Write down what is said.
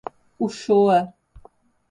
Uchoa